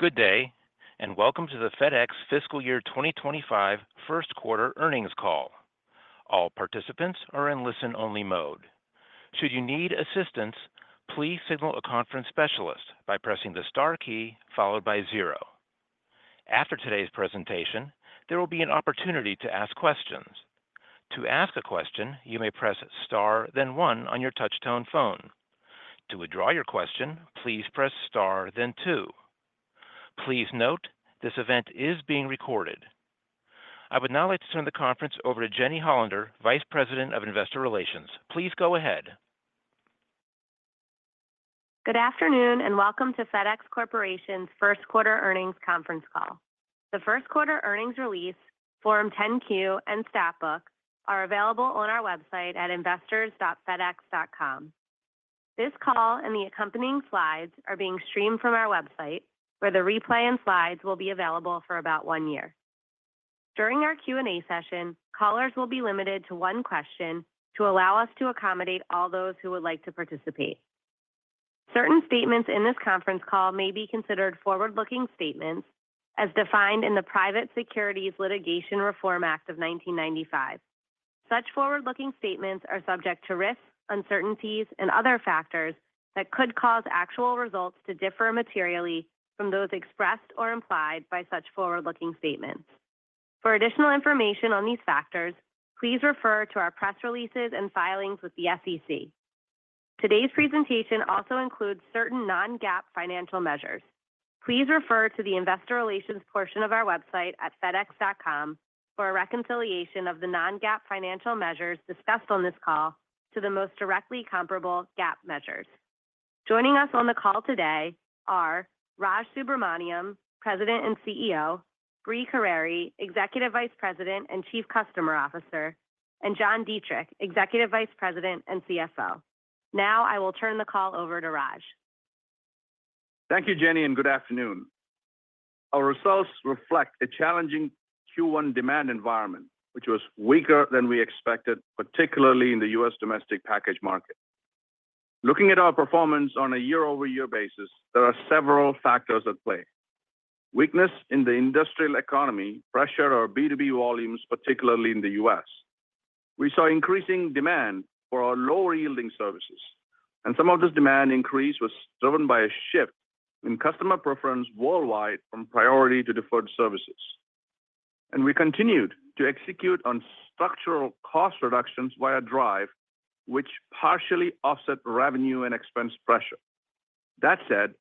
Good day, and welcome to the FedEx fiscal year 2025 first quarter earnings call. All participants are in listen-only mode. Should you need assistance, please signal a conference specialist by pressing the star key followed by zero. After today's presentation, there will be an opportunity to ask questions. To ask a question, you may press star, then one on your touchtone phone. To withdraw your question, please press star, then two. Please note, this event is being recorded. I would now like to turn the conference over to Jeni Hollander, Vice President of Investor Relations. Please go ahead. Good afternoon, and welcome to FedEx Corporation's first quarter earnings conference call. The first quarter earnings release, Form 10-Q, and stat book are available on our website at investors.fedex.com. This call and the accompanying slides are being streamed from our website, where the replay and slides will be available for about one year. During our Q&A session, callers will be limited to one question to allow us to accommodate all those who would like to participate. Certain statements in this conference call may be considered forward-looking statements as defined in the Private Securities Litigation Reform Act of 1995. Such forward-looking statements are subject to risks, uncertainties, and other factors that could cause actual results to differ materially from those expressed or implied by such forward-looking statements. For additional information on these factors, please refer to our press releases and filings with the SEC. Today's presentation also includes certain non-GAAP financial measures. Please refer to the investor relations portion of our website at fedex.com for a reconciliation of the non-GAAP financial measures discussed on this call to the most directly comparable GAAP measures. Joining us on the call today are Raj Subramaniam, President and CEO, Brie Carere, Executive Vice President and Chief Customer Officer, and John Dietrich, Executive Vice President and CFO. Now, I will turn the call over to Raj. Thank you, Jeni, and good afternoon. Our results reflect a challenging Q1 demand environment, which was weaker than we expected, particularly in the U.S. domestic package market. Looking at our performance on a year-over-year basis, there are several factors at play. Weakness in the industrial economy pressure our B2B volumes, particularly in the U.S. We saw increasing demand for our lower-yielding services, and some of this demand increase was driven by a shift in customer preference worldwide from priority to deferred services, and we continued to execute on structural cost reductions via DRIVE, which partially offset revenue and expense pressure. That said,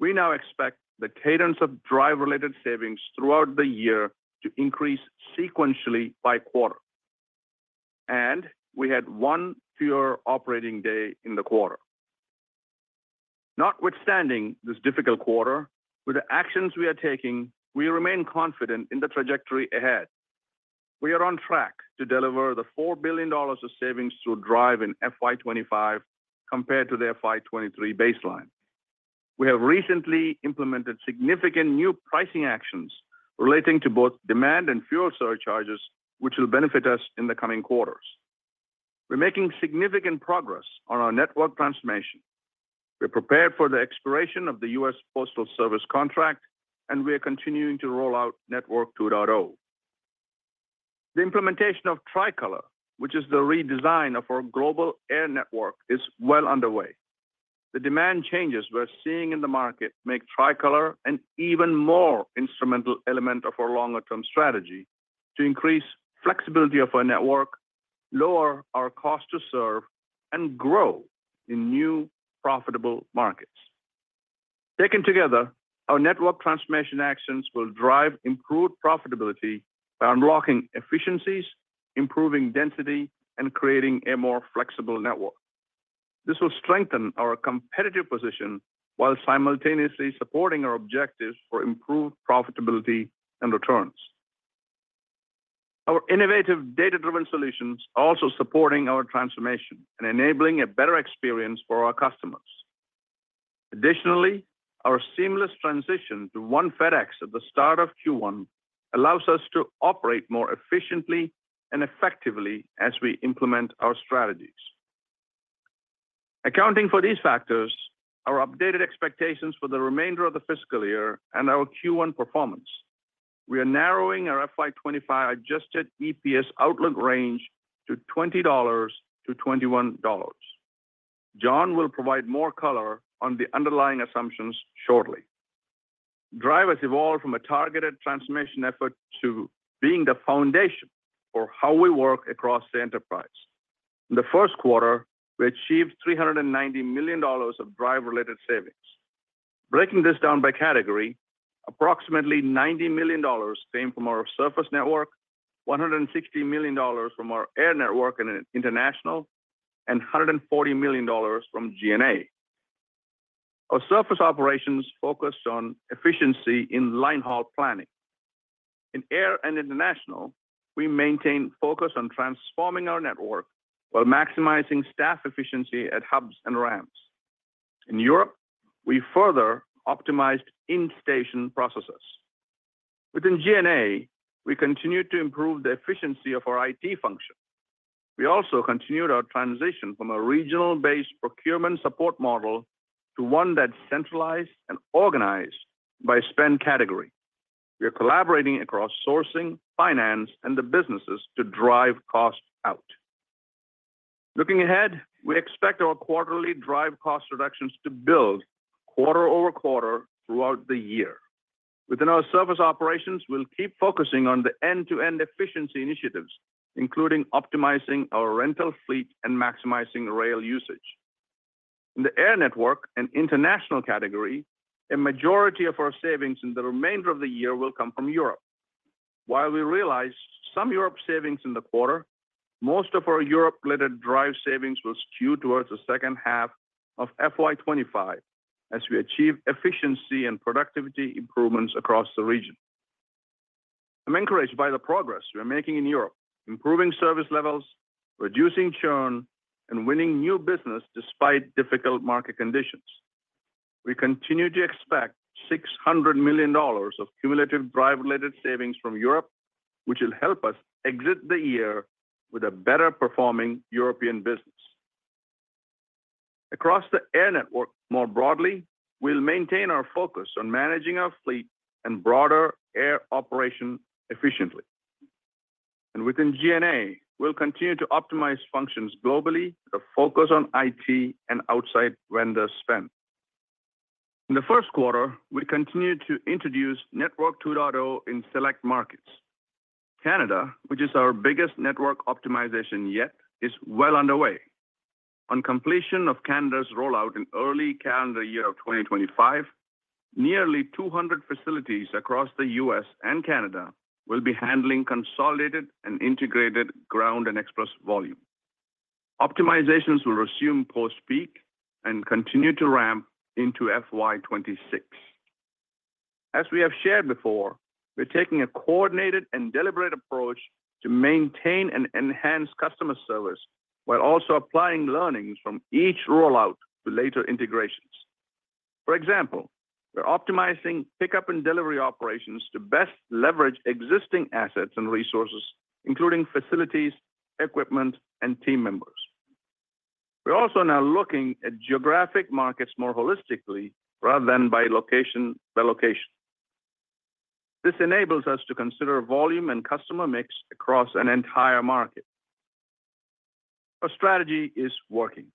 we now expect the cadence of DRIVE-related savings throughout the year to increase sequentially by quarter, and we had one fewer operating day in the quarter. Notwithstanding this difficult quarter, with the actions we are taking, we remain confident in the trajectory ahead. We are on track to deliver the $4 billion of savings through DRIVE in FY 2025 compared to the FY 2023 baseline. We have recently implemented significant new pricing actions relating to both demand and fuel surcharges, which will benefit us in the coming quarters. We're making significant progress on our network transformation. We're prepared for the expiration of the U.S. Postal Service contract, and we are continuing to roll out Network 2.0. The implementation of Tricolor, which is the redesign of our global air network, is well underway. The demand changes we're seeing in the market make Tricolor an even more instrumental element of our longer-term strategy to increase flexibility of our network, lower our cost to serve, and grow in new profitable markets. Taken together, our network transformation actions will drive improved profitability by unlocking efficiencies, improving density, and creating a more flexible network. This will strengthen our competitive position while simultaneously supporting our objectives for improved profitability and returns. Our innovative data-driven solutions are also supporting our transformation and enabling a better experience for our customers. Additionally, our seamless transition to One FedEx at the start of Q1 allows us to operate more efficiently and effectively as we implement our strategies. Accounting for these factors, our updated expectations for the remainder of the fiscal year and our Q1 performance, we are narrowing our FY 2025 adjusted EPS outlook range to $20 - $21. John will provide more color on the underlying assumptions shortly. DRIVE has evolved from a targeted transformation effort to being the foundation for how we work across the enterprise. In the first quarter, we achieved $390 million of DRIVE-related savings. Breaking this down by category, approximately $90 million came from our surface network, $160 million from our air network and international, and $140 million from G&A. Our surface operations focused on efficiency in line haul planning. In air and international, we maintained focus on transforming our network while maximizing staff efficiency at hubs and ramps. In Europe, we further optimized in-station processes. Within G&A, we continued to improve the efficiency of our IT function. We also continued our transition from a regional-based procurement support model to one that's centralized and organized by spend category. We are collaborating across sourcing, finance, and the businesses to drive costs out. Looking ahead, we expect our quarterly DRIVE cost reductions to build quarter-over-quarter throughout the year. Within our service operations, we'll keep focusing on the end-to-end efficiency initiatives, including optimizing our rental fleet and maximizing rail usage. In the air network and international category, a majority of our savings in the remainder of the year will come from Europe. While we realized some Europe savings in the quarter, most of our Europe-related DRIVE savings will skew towards the second half of FY 2025 as we achieve efficiency and productivity improvements across the region. I'm encouraged by the progress we are making in Europe, improving service levels, reducing churn, and winning new business despite difficult market conditions. We continue to expect $600 million of cumulative DRIVE-related savings from Europe, which will help us exit the year with a better performing European business. Across the air network, more broadly, we'll maintain our focus on managing our fleet and broader air operation efficiently. Within G&A, we'll continue to optimize functions globally with a focus on IT and outside vendor spend. In the first quarter, we continued to introduce Network 2.0 in select markets. Canada, which is our biggest network optimization yet, is well underway. On completion of Canada's rollout in early calendar year of 2025, nearly 200 facilities across the U.S. and Canada will be handling consolidated and integrated Ground and Express volume. Optimizations will resume post-peak and continue to ramp into FY 2026. As we have shared before, we're taking a coordinated and deliberate approach to maintain and enhance customer service while also applying learnings from each rollout to later integrations. For example, we're optimizing pickup and delivery operations to best leverage existing assets and resources, including facilities, equipment, and team members. We're also now looking at geographic markets more holistically rather than by location-by-location. This enables us to consider volume and customer mix across an entire market. Our strategy is working.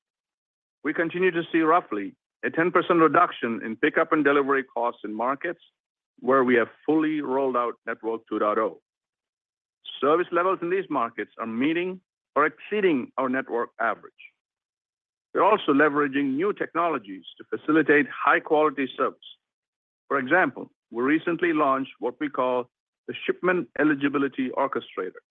We continue to see roughly a 10% reduction in pickup and delivery costs in markets where we have fully rolled out Network 2.0. Service levels in these markets are meeting or exceeding our network average. We're also leveraging new technologies to facilitate high-quality service. For example, we recently launched what we call the Shipment Eligibility Orchestrator.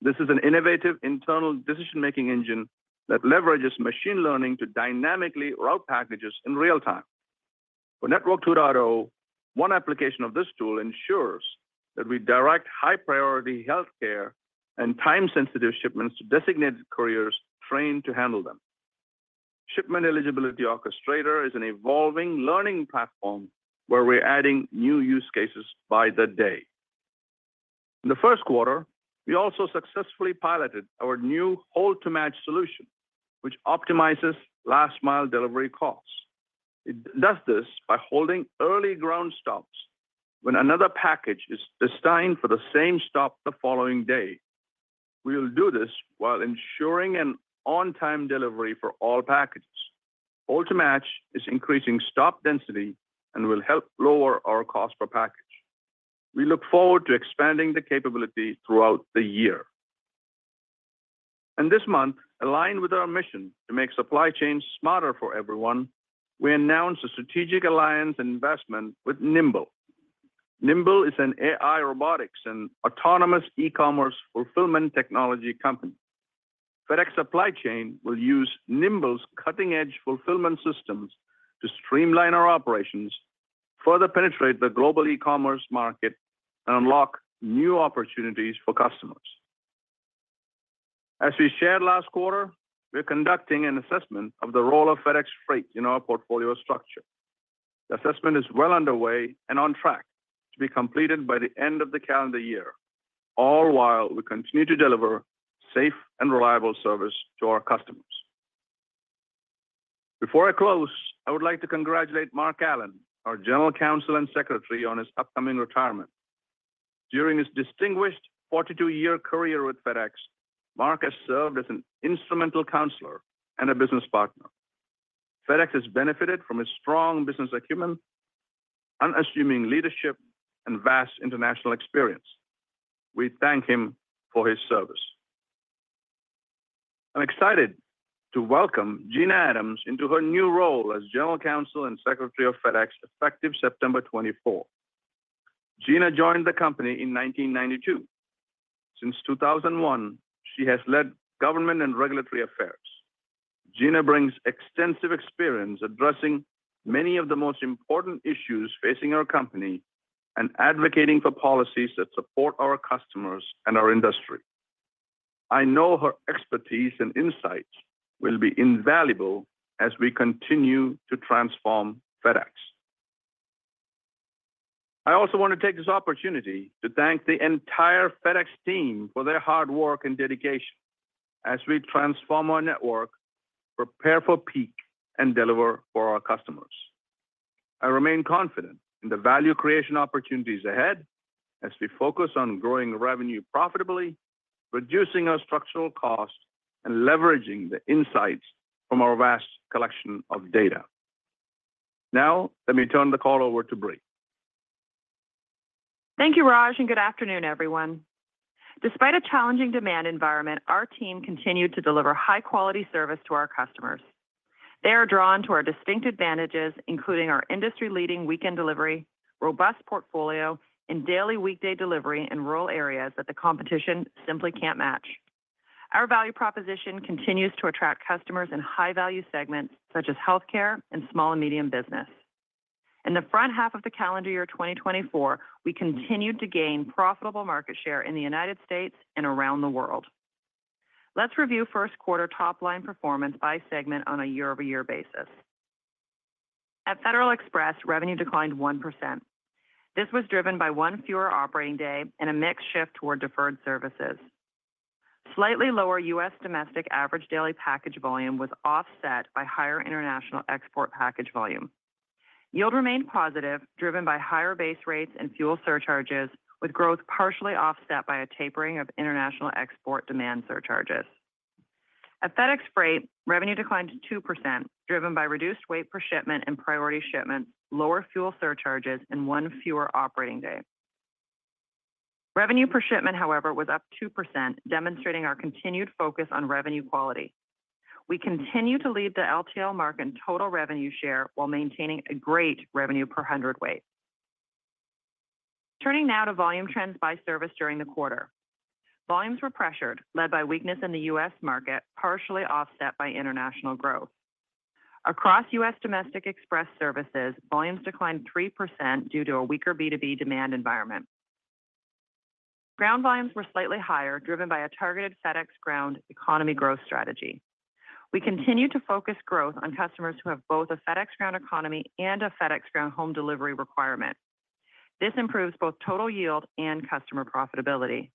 This is an innovative internal decision-making engine that leverages machine learning to dynamically route packages in real time. For Network 2.0, one application of this tool ensures that we direct high-priority healthcare and time-sensitive shipments to designated couriers trained to handle them. Shipment Eligibility Orchestrator is an evolving learning platform where we're adding new use cases by the day. In the first quarter, we also successfully piloted our new Hold-to-Match solution, which optimizes last mile delivery costs. It does this by holding early ground stops when another package is destined for the same stop the following day. We'll do this while ensuring an on-time delivery for all packages. Hold-to-Match is increasing stop density and will help lower our cost-per-package. We look forward to expanding the capability throughout the year. And this month, aligned with our mission to make supply chains smarter for everyone, we announced a strategic alliance and investment with Nimble. Nimble is an AI, robotics, and autonomous e-commerce fulfillment technology company. FedEx Supply Chain will use Nimble's cutting-edge fulfillment systems to streamline our operations, further penetrate the global e-commerce market, and unlock new opportunities for customers. As we shared last quarter, we're conducting an assessment of the role of FedEx Freight in our portfolio structure. The assessment is well underway and on track to be completed by the end of the calendar year, all while we continue to deliver safe and reliable service to our customers. Before I close, I would like to congratulate Mark Allen, our General Counsel and Secretary, on his upcoming retirement. During his distinguished forty-two-year career with FedEx, Mark has served as an instrumental counselor and a business partner. FedEx has benefited from his strong business acumen, unassuming leadership, and vast international experience. We thank him for his service. I'm excited to welcome Gina Adams into her new role as General Counsel and Secretary of FedEx, effective September 24. Gina joined the company in 1992. Since 2001, she has led government and regulatory affairs. Gina brings extensive experience addressing many of the most important issues facing our company and advocating for policies that support our customers and our industry. I know her expertise and insights will be invaluable as we continue to transform FedEx. I also want to take this opportunity to thank the entire FedEx team for their hard work and dedication as we transform our network, prepare for peak, and deliver for our customers. I remain confident in the value creation opportunities ahead as we focus on growing revenue profitably, reducing our structural costs, and leveraging the insights from our vast collection of data. Now, let me turn the call over to Brie. Thank you, Raj, and good afternoon, everyone. Despite a challenging demand environment, our team continued to deliver high-quality service to our customers. They are drawn to our distinct advantages, including our industry-leading weekend delivery, robust portfolio, and daily weekday delivery in rural areas that the competition simply can't match. Our value proposition continues to attract customers in high-value segments such as healthcare and small and medium business. In the front half of the calendar year 2024, we continued to gain profitable market share in the United States and around the world. Let's review first quarter top-line performance by segment on a year-over-year basis. At Federal Express, revenue declined 1%. This was driven by one fewer operating day and a mixed shift toward deferred services. Slightly lower U.S. domestic average daily package volume was offset by higher international export package volume. Yield remained positive, driven by higher base rates and fuel surcharges, with growth partially offset by a tapering of international export demand surcharges. At FedEx Freight, revenue declined 2%, driven by reduced weight per shipment and priority shipments, lower fuel surcharges, and one fewer operating day. Revenue per shipment, however, was up 2%, demonstrating our continued focus on revenue quality. We continue to lead the LTL market in total revenue share while maintaining a great revenue per hundredweight. Turning now to volume trends by service during the quarter. Volumes were pressured, led by weakness in the U.S. market, partially offset by international growth. Across U.S. Domestic Express services, volumes declined 3% due to a weaker B2B demand environment. Ground volumes were slightly higher, driven by a targeted FedEx Ground Economy growth strategy. We continue to focus growth on customers who have both a FedEx Ground Economy and a FedEx Ground home delivery requirement. This improves both total yield and customer profitability.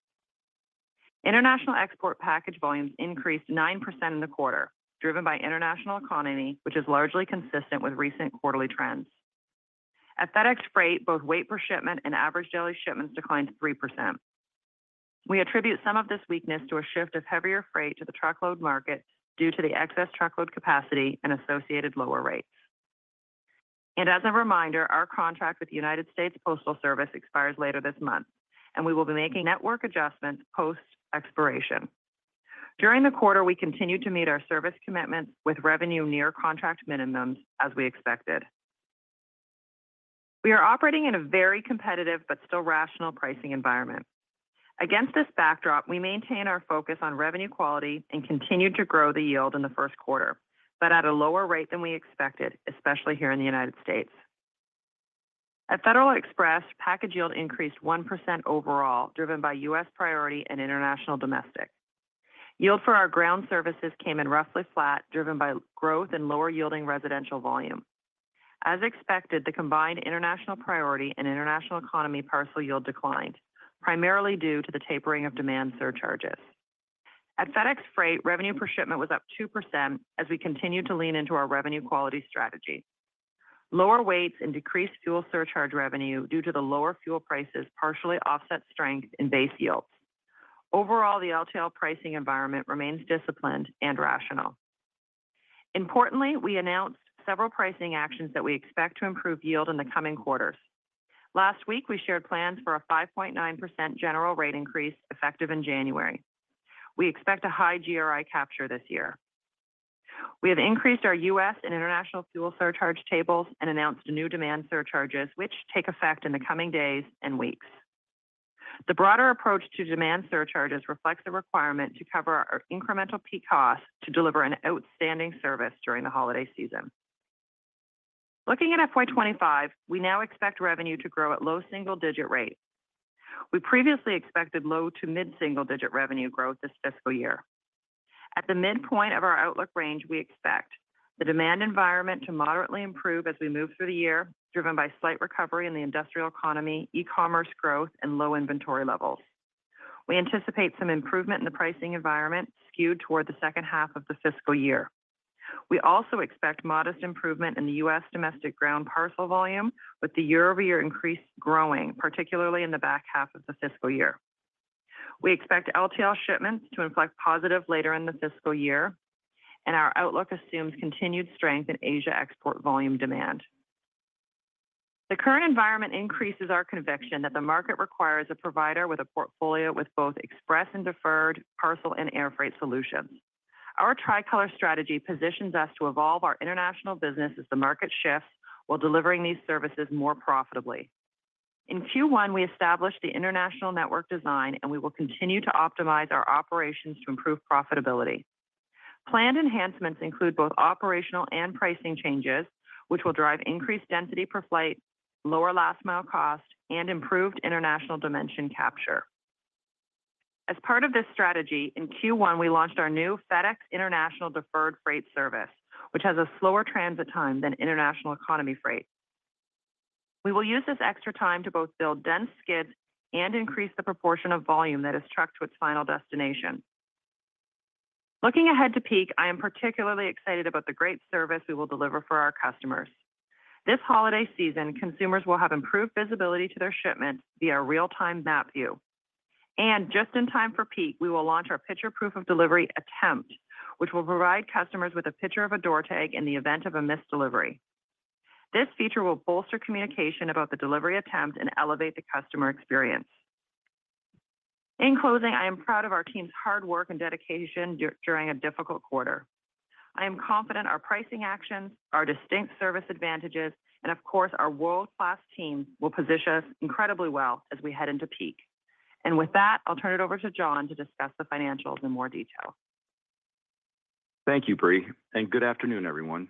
International export package volumes increased 9% in the quarter, driven by International Economy, which is largely consistent with recent quarterly trends. At FedEx Freight, both weight per shipment and average daily shipments declined 3%. We attribute some of this weakness to a shift of heavier freight to the truckload market due to the excess truckload capacity and associated lower rates. And as a reminder, our contract with the United States Postal Service expires later this month, and we will be making network adjustments post-expiration. During the quarter, we continued to meet our service commitments with revenue near contract minimums, as we expected. We are operating in a very competitive but still rational pricing environment. Against this backdrop, we maintain our focus on revenue quality and continued to grow the yield in the first quarter, but at a lower rate than we expected, especially here in the United States. At Federal Express, package yield increased 1% overall, driven by U.S. Priority and International Domestic. Yield for our Ground Services came in roughly flat, driven by growth in lower-yielding residential volume. As expected, the combined International Priority and International Economy parcel yield declined, primarily due to the tapering of demand surcharges. At FedEx Freight, revenue per shipment was up 2% as we continued to lean into our revenue quality strategy. Lower weights and decreased fuel surcharge revenue due to the lower fuel prices partially offset strength in base yields. Overall, the LTL pricing environment remains disciplined and rational. Importantly, we announced several pricing actions that we expect to improve yield in the coming quarters. Last week, we shared plans for a 5.9% general rate increase effective in January. We expect a high GRI capture this year. We have increased our U.S. and international fuel surcharge tables and announced new demand surcharges, which take effect in the coming days and weeks. The broader approach to demand surcharges reflects the requirement to cover our incremental peak costs to deliver an outstanding service during the holiday season. Looking at FY 2025, we now expect revenue to grow at low single-digit rates. We previously expected low to mid-single-digit revenue growth this fiscal year. At the midpoint of our outlook range, we expect the demand environment to moderately improve as we move through the year, driven by slight recovery in the industrial economy, e-commerce growth, and low inventory levels. We anticipate some improvement in the pricing environment, skewed toward the second half of the fiscal year. We also expect modest improvement in the U.S. domestic ground parcel volume, with the year-over-year increase growing, particularly in the back half of the fiscal year. We expect LTL shipments to inflect positive later in the fiscal year, and our outlook assumes continued strength in Asia export volume demand. The current environment increases our conviction that the market requires a provider with a portfolio with both express and deferred parcel and air freight solutions. Our Tricolor strategy positions us to evolve our international business as the market shifts while delivering these services more profitably. In Q1, we established the international network design, and we will continue to optimize our operations to improve profitability. Planned enhancements include both operational and pricing changes, which will drive increased density per flight, lower last mile cost, and improved international dimension capture. As part of this strategy, in Q1, we launched our new FedEx International Deferred Freight Service, which has a slower transit time than International Economy Freight. We will use this extra time to both build dense skids and increase the proportion of volume that is trucked to its final destination. Looking ahead to peak, I am particularly excited about the great service we will deliver for our customers. This holiday season, consumers will have improved visibility to their shipments via real-time map view. And just in time for peak, we will launch our Picture Proof of Delivery, which will provide customers with a picture of a door tag in the event of a missed delivery. This feature will bolster communication about the delivery attempt and elevate the customer experience. In closing, I am proud of our team's hard work and dedication during a difficult quarter. I am confident our pricing actions, our distinct service advantages, and of course, our world-class team will position us incredibly well as we head into peak, and with that, I'll turn it over to John to discuss the financials in more detail. Thank you, Brie, and good afternoon, everyone.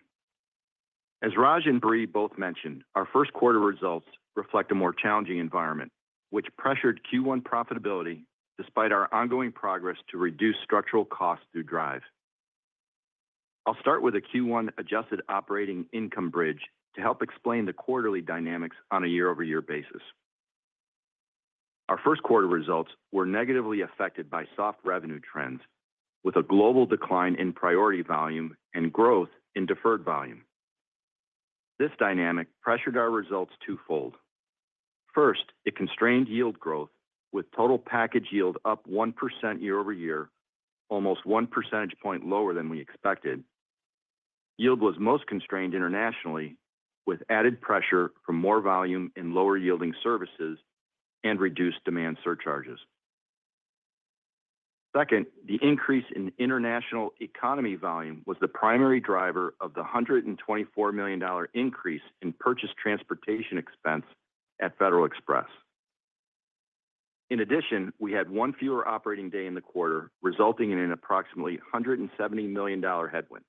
As Raj and Brie both mentioned, our first quarter results reflect a more challenging environment, which pressured Q1 profitability despite our ongoing progress to reduce structural costs through DRIVE. I'll start with a Q1 adjusted operating income bridge to help explain the quarterly dynamics on a year-over-year basis. Our first quarter results were negatively affected by soft revenue trends, with a global decline in priority volume and growth in deferred volume. This dynamic pressured our results twofold. First, it constrained yield growth with total package yield up 1% year-over-year, almost 1 percentage point lower than we expected. Yield was most constrained internationally, with added pressure from more volume in lower yielding services and reduced demand surcharges. Second, the increase in International Economy volume was the primary driver of the $124 million increase in purchase transportation expense at Federal Express. In addition, we had one fewer operating day in the quarter, resulting in an approximately $170 million headwind.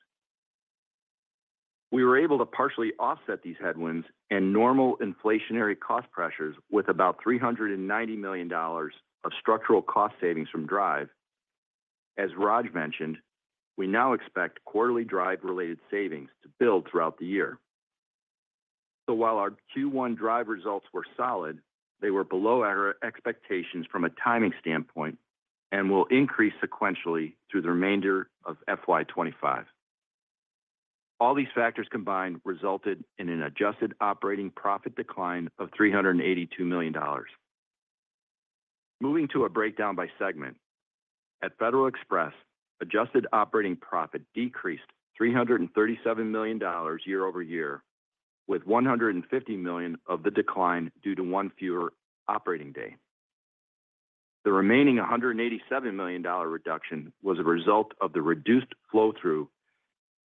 We were able to partially offset these headwinds and normal inflationary cost pressures with about $390 million of structural cost savings from DRIVE. As Raj mentioned, we now expect quarterly DRIVE-related savings to build throughout the year. So while our Q1 DRIVE results were solid, they were below our expectations from a timing standpoint and will increase sequentially through the remainder of FY 2025. All these factors combined resulted in an adjusted operating profit decline of $382 million. Moving to a breakdown by segment. At Federal Express, adjusted operating profit decreased $337 million year-over-year, with $150 million of the decline due to one fewer operating day. The remaining $187 million dollar reduction was a result of the reduced flow-through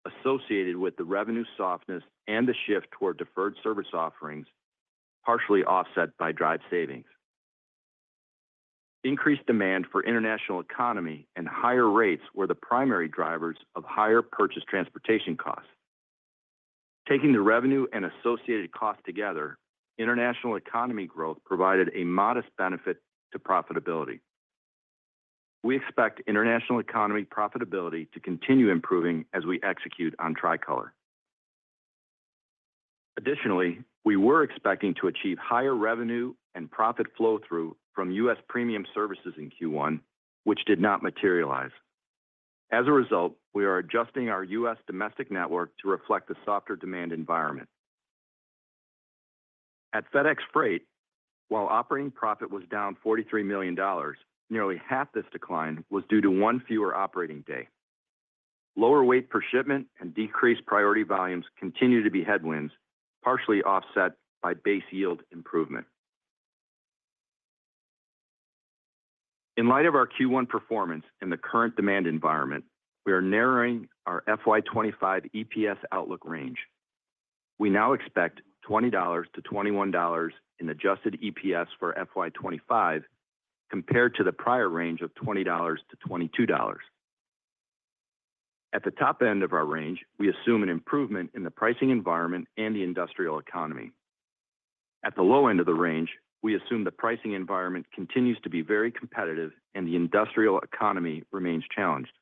associated with the revenue softness and the shift toward deferred service offerings, partially offset by DRIVE savings. Increased demand for International Economy and higher rates were the primary drivers of higher purchase transportation costs. Taking the revenue and associated costs together, International Economy growth provided a modest benefit to profitability. We expect International Economy profitability to continue improving as we execute on Tricolor. Additionally, we were expecting to achieve higher revenue and profit flow-through from U.S. premium services in Q1, which did not materialize. As a result, we are adjusting our U.S. domestic network to reflect the softer demand environment. At FedEx Freight, while operating profit was down $43 million, nearly half this decline was due to one fewer operating day. Lower weight per shipment and decreased priority volumes continue to be headwinds, partially offset by base yield improvement. In light of our Q1 performance and the current demand environment, we are narrowing our FY 2025 EPS outlook range. We now expect $20 - $21 in adjusted EPS for FY 2025, compared to the prior range of $20 - $22. At the top end of our range, we assume an improvement in the pricing environment and the industrial economy. At the low end of the range, we assume the pricing environment continues to be very competitive and the industrial economy remains challenged.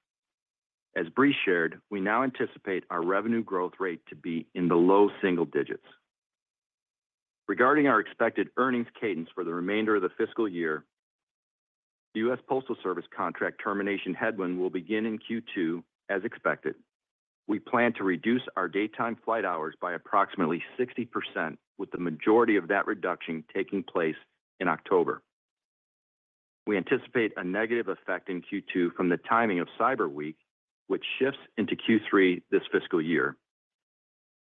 As Brie shared, we now anticipate our revenue growth rate to be in the low single digits. Regarding our expected earnings cadence for the remainder of the fiscal year, the U.S. Postal Service contract termination headwind will begin in Q2 as expected. We plan to reduce our daytime flight hours by approximately 60%, with the majority of that reduction taking place in October. We anticipate a negative effect in Q2 from the timing of Cyber Week, which shifts into Q3 this fiscal year.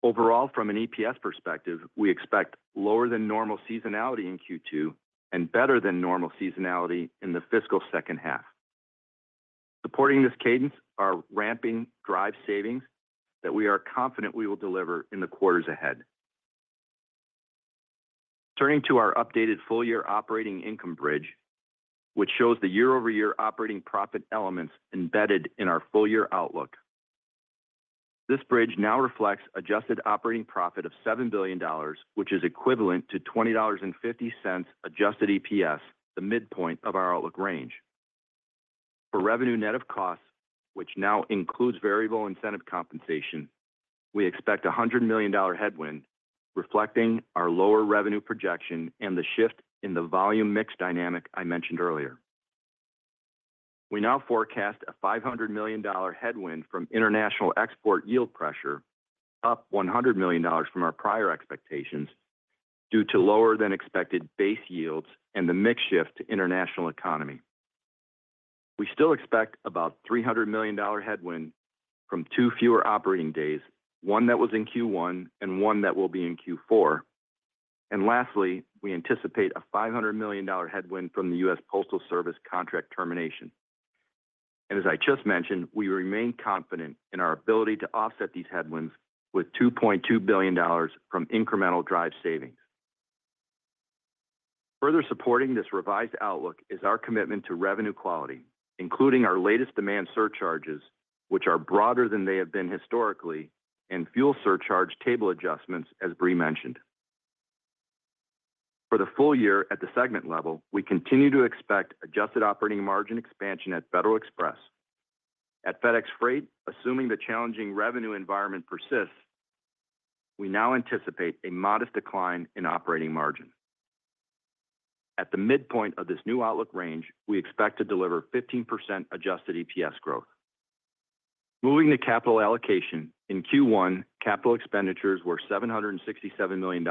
Overall, from an EPS perspective, we expect lower than normal seasonality in Q2 and better than normal seasonality in the fiscal second half. Supporting this cadence are ramping DRIVE savings that we are confident we will deliver in the quarters ahead. Turning to our updated full-year operating income bridge, which shows the year-over-year operating profit elements embedded in our full-year outlook. This bridge now reflects adjusted operating profit of $7 billion, which is equivalent to $20.50 adjusted EPS, the midpoint of our outlook range. For revenue net of costs, which now includes variable incentive compensation, we expect a $100 million headwind, reflecting our lower revenue projection and the shift in the volume mix dynamic I mentioned earlier. We now forecast a $500 million headwind from international export yield pressure, up $100 million from our prior expectations, due to lower than expected base yields and the mix shift to International Economy. We still expect about $300 million headwind from two fewer operating days, one that was in Q1 and one that will be in Q4. And lastly, we anticipate a $500 million headwind from the US Postal Service contract termination. As I just mentioned, we remain confident in our ability to offset these headwinds with $2.2 billion from incremental drive savings. Further supporting this revised outlook is our commitment to revenue quality, including our latest demand surcharges, which are broader than they have been historically, and fuel surcharge table adjustments, as Brie mentioned. For the full year at the segment level, we continue to expect adjusted operating margin expansion at Federal Express. At FedEx Freight, assuming the challenging revenue environment persists, we now anticipate a modest decline in operating margin. At the midpoint of this new outlook range, we expect to deliver 15% adjusted EPS growth. Moving to capital allocation, in Q1, capital expenditures were $767 million.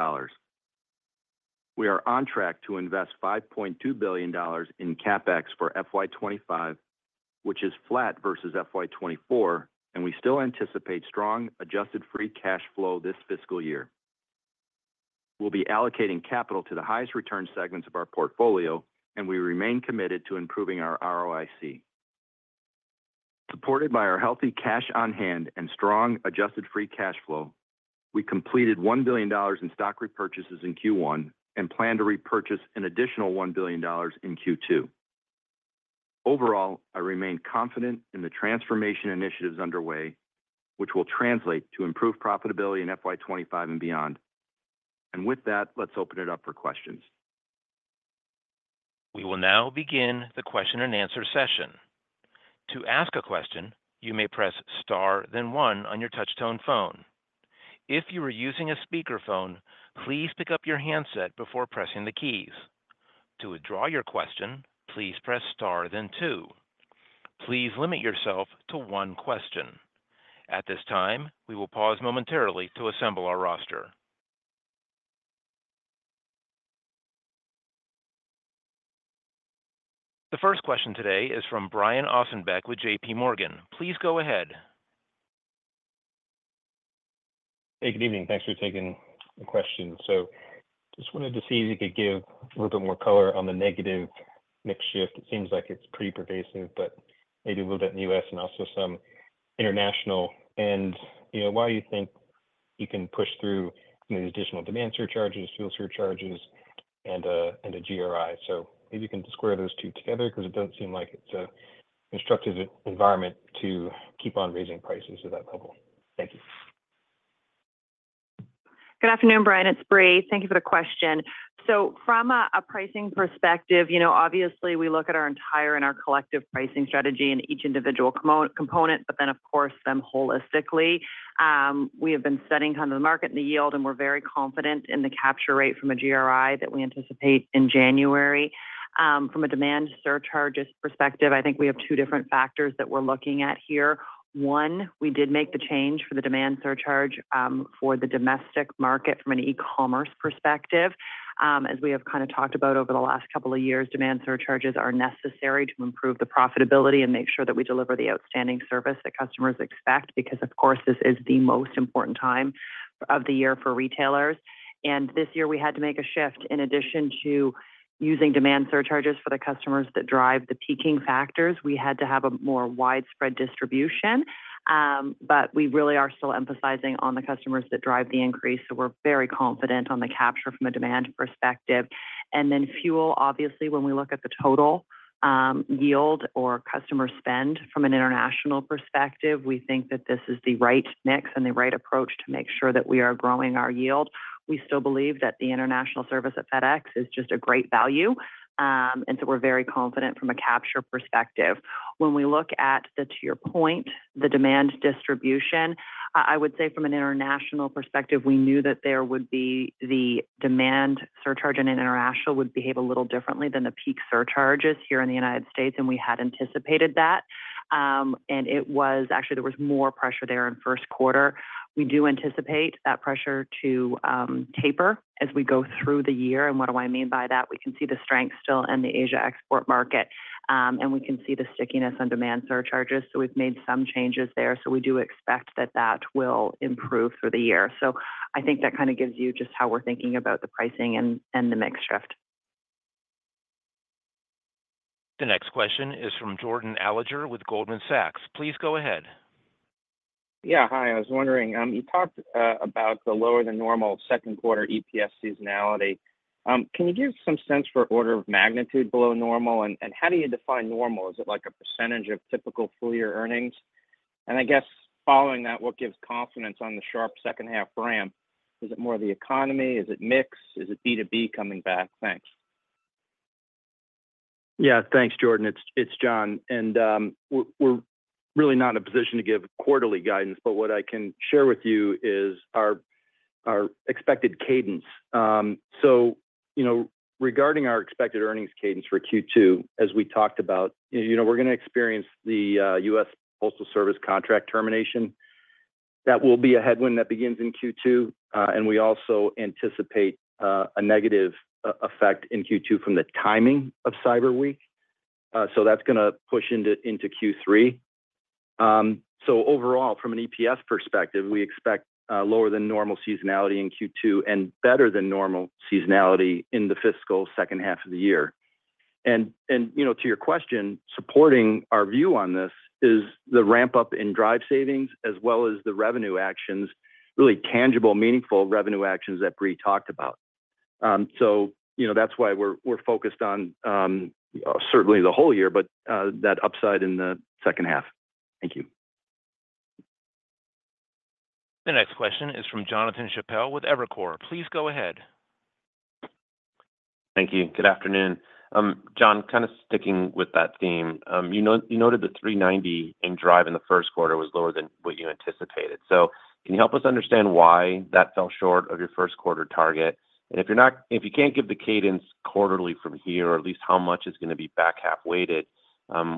We are on track to invest $5.2 billion in CapEx for FY 2025, which is flat versus FY 2024, and we still anticipate strong adjusted free cash flow this fiscal year. We'll be allocating capital to the highest return segments of our portfolio, and we remain committed to improving our ROIC. Supported by our healthy cash on hand and strong adjusted free cash flow, we completed $1 billion in stock repurchases in Q1 and plan to repurchase an additional $1 billion in Q2. Overall, I remain confident in the transformation initiatives underway, which will translate to improved profitability in FY 2025 and beyond. And with that, let's open it up for questions. We will now begin the question and answer session. To ask a question, you may press star, then one on your touchtone phone. If you are using a speakerphone, please pick up your handset before pressing the keys. To withdraw your question, please press star, then two. Please limit yourself to one question. At this time, we will pause momentarily to assemble our roster. The first question today is from Brian Ossenbeck with JPMorgan. Please go ahead. Hey, good evening. Thanks for taking the question, so just wanted to see if you could give a little bit more color on the negative mix shift. It seems like it's pretty pervasive, but maybe a little bit in the U.S. and also some international, and, you know, why you think you can push through these additional demand surcharges, fuel surcharges and a GRI? So maybe you can square those two together because it doesn't seem like it's a constructive environment to keep on raising prices to that level. Thank you. Good afternoon, Brian. It's Brie. Thank you for the question. So from a pricing perspective, you know, obviously, we look at our entire and our collective pricing strategy in each individual component, but then, of course, them holistically. We have been studying kind of the market and the yield, and we're very confident in the capture rate from a GRI that we anticipate in January. From a demand surcharges perspective, I think we have two different factors that we're looking at here. One, we did make the change for the demand surcharge for the domestic market from an e-commerce perspective. As we have kind of talked about over the last couple of years, demand surcharges are necessary to improve the profitability and make sure that we deliver the outstanding service that customers expect, because, of course, this is the most important time of the year for retailers. And this year, we had to make a shift. In addition to using demand surcharges for the customers that drive the peaking factors, we had to have a more widespread distribution. But we really are still emphasizing on the customers that drive the increase, so we're very confident on the capture from a demand perspective. And then fuel, obviously, when we look at the total, yield or customer spend from an international perspective, we think that this is the right mix and the right approach to make sure that we are growing our yield. We still believe that the international service at FedEx is just a great value, and so we're very confident from a capture perspective. When we look at the, to your point, the demand distribution, I would say from an international perspective, we knew that there would be the demand surcharge and international would behave a little differently than the peak surcharges here in the United States, and we had anticipated that. Actually, there was more pressure there in first quarter. We do anticipate that pressure to taper as we go through the year. And what do I mean by that? We can see the strength still in the Asia export market, and we can see the stickiness on demand surcharges. So we've made some changes there, so we do expect that that will improve through the year. So I think that kind of gives you just how we're thinking about the pricing and the mix shift. Next question is from Jordan Alliger with Goldman Sachs. Please go ahead. Yeah. Hi, I was wondering, you talked about the lower than normal second quarter EPS seasonality. Can you give some sense for order of magnitude below normal? And how do you define normal? Is it like a percentage of typical full year earnings? And I guess following that, what gives confidence on the sharp second half ramp? Is it more the economy? Is it mix? Is it B2B coming back? Thanks. Yeah, thanks, Jordan. It's John, and we're really not in a position to give quarterly guidance, but what I can share with you is our expected cadence. So, you know, regarding our expected earnings cadence for Q2, as we talked about, you know, we're gonna experience the U.S. Postal Service contract termination. That will be a headwind that begins in Q2, and we also anticipate a negative effect in Q2 from the timing of Cyber Week. So that's gonna push into Q3. So overall, from an EPS perspective, we expect lower than normal seasonality in Q2, and better than normal seasonality in the fiscal second half of the year. You know, to your question, supporting our view on this is the ramp-up in drive savings as well as the revenue actions, really tangible, meaningful revenue actions that Brie talked about. So, you know, that's why we're focused on certainly the whole year, but that upside in the second half. Thank you. The next question is from Jonathan Chappell with Evercore. Please go ahead. Thank you. Good afternoon. John, kind of sticking with that theme, you noted that $390 million in DRIVE in the first quarter was lower than what you anticipated. So can you help us understand why that fell short of your first quarter target? And if you can't give the cadence quarterly from here, or at least how much is gonna be back half weighted,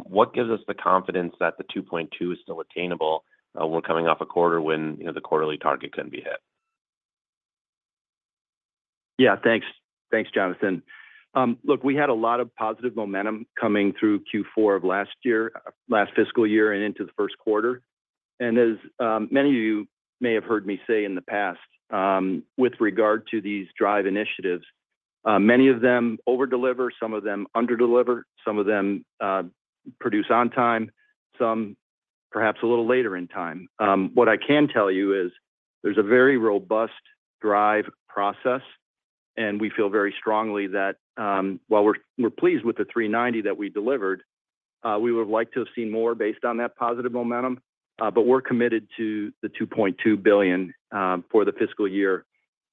what gives us the confidence that the $2.2 billion is still attainable, when coming off a quarter when, you know, the quarterly target couldn't be hit? Yeah, thanks. Thanks, Jonathan. Look, we had a lot of positive momentum coming through Q4 of last year, last fiscal year and into the first quarter. And as many of you may have heard me say in the past, with regard to these drive initiatives, many of them over-deliver, some of them under-deliver, some of them produce on time, some perhaps a little later in time. What I can tell you is there's a very robust drive process, and we feel very strongly that while we're pleased with the $390 million that we delivered, we would have liked to have seen more based on that positive momentum, but we're committed to the $2.2 billion for the fiscal year.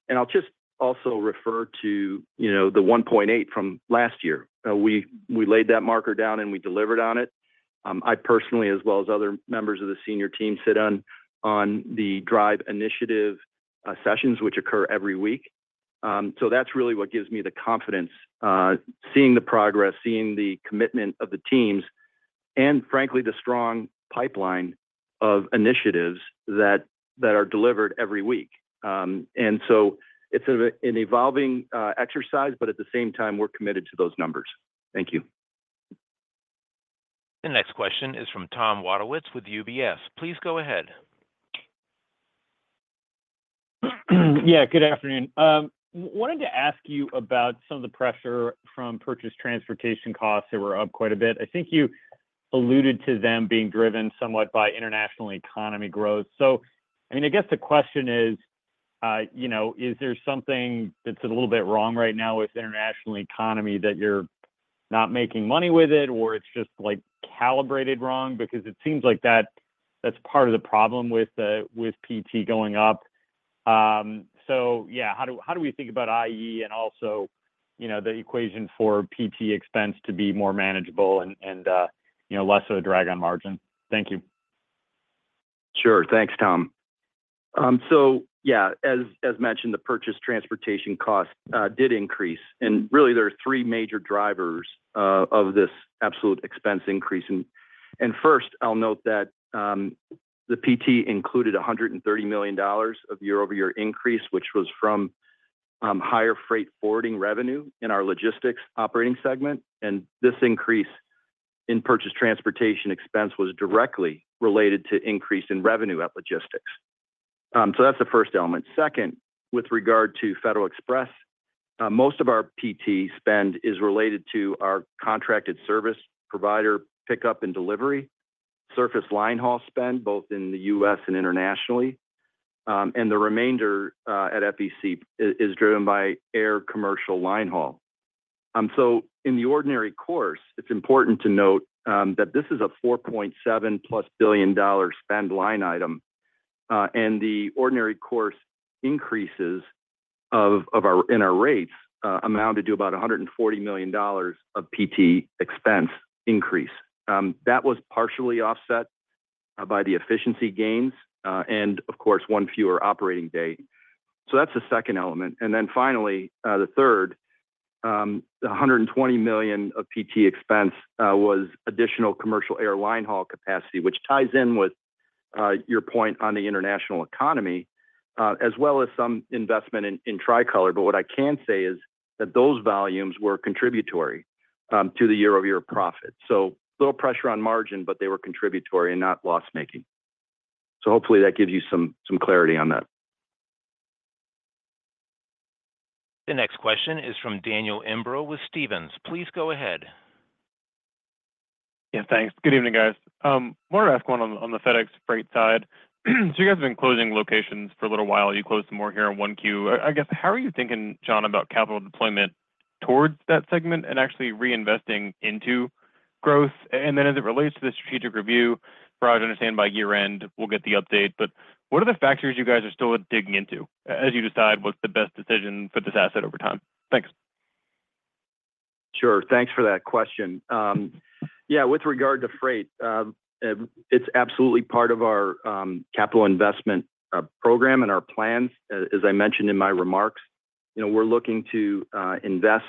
And I'll just also refer to, you know, the $1.8 billion from last year. We laid that marker down and we delivered on it. I personally, as well as other members of the senior team, sit on the DRIVE initiative sessions, which occur every week. So that's really what gives me the confidence, seeing the progress, seeing the commitment of the teams, and frankly, the strong pipeline of initiatives that are delivered every week. And so it's an evolving exercise, but at the same time, we're committed to those numbers. Thank you. The next question is from Tom Wadewitz with UBS. Please go ahead. Yeah, good afternoon. Wanted to ask you about some of the pressure from purchase transportation costs that were up quite a bit. I think you alluded to them being driven somewhat by International Economy growth. So, I mean, I guess the question is, you know, is there something that's a little bit wrong right now with International Economy, that you're not making money with it, or it's just, like, calibrated wrong? Because it seems like that's part of the problem with PT going up. So yeah, how do we think about IE and also, you know, the equation for PT expense to be more manageable and, you know, less of a drag on margin? Thank you. Sure. Thanks, Tom. So yeah, as mentioned, the purchase transportation cost did increase, and really, there are three major drivers of this absolute expense increase. And first, I'll note that the PT included $130 million of year-over-year increase, which was from higher freight forwarding revenue in our logistics operating segment, and this increase in purchase transportation expense was directly related to increase in revenue at logistics. So that's the first element. Second, with regard to Federal Express, most of our PT spend is related to our contracted service provider pickup and delivery, surface line haul spend, both in the U.S. and internationally. And the remainder at FedEx is driven by air commercial line haul. So in the ordinary course, it's important to note that this is a $4.7 billion-plus spend line item, and the ordinary course increases of our rates amounted to about $140 million of PT expense increase. That was partially offset by the efficiency gains and of course, one fewer operating day. So that's the second element. And then finally, the third, the $120 million of PT expense was additional commercial air line haul capacity, which ties in with your point on the International Economy as well as some investment in Tricolor. But what I can say is that those volumes were contributory to the year-over-year profit. So a little pressure on margin, but they were contributory and not loss-making. So hopefully that gives you some clarity on that. The next question is from Daniel Imbro with Stephens. Please go ahead. Yeah, thanks. Good evening, guys. I have one more to ask on the FedEx Freight side. So you guys have been closing locations for a little while. You closed some more here in 1Q. I guess, how are you thinking, John, about capital deployment towards that segment and actually reinvesting into growth? And then as it relates to the strategic review, from what I understand by year-end, we'll get the update, but what are the factors you guys are still digging into as you decide what's the best decision for this asset over time? Thanks. Sure. Thanks for that question. Yeah, with regard to Freight, it's absolutely part of our capital investment program and our plans. As I mentioned in my remarks, you know, we're looking to invest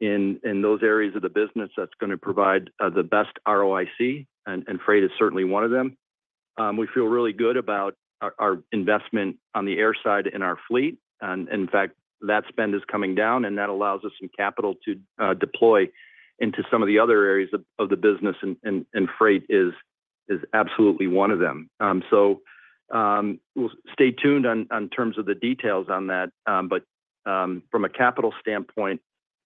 in those areas of the business that's gonna provide the best ROIC, and freight is certainly one of them. We feel really good about our investment on the air side in our fleet, and in fact, that spend is coming down, and that allows us some capital to deploy into some of the other areas of the business, and Freight is absolutely one of them. So we'll stay tuned in terms of the details on that, but from a capital standpoint,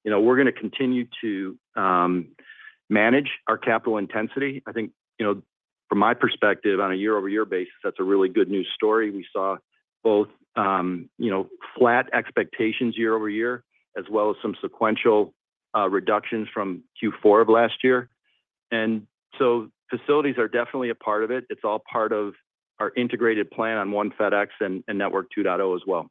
you know, we're gonna continue to manage our capital intensity. I think, you know, from my perspective, on a year-over-year basis, that's a really good news story. We saw both, you know, flat expectations year over year, as well as some sequential reductions from Q4 of last year. And so facilities are definitely a part of it. It's all part of our integrated plan on One FedEx and Network 2.0 as well.